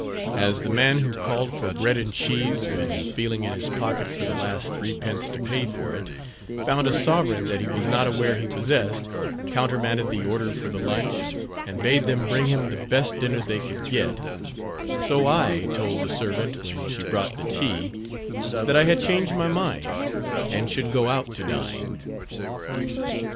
As the man who called for bread and cheese, when feeling in his pocket for the last threepence to pay for it, found a sovereign that he was not aware he possessed, countermanded the order for the lunch, and bade them bring him the best dinner they could get; so I told the servant when she brought the tea, that I had changed my mind, and should go out to dine.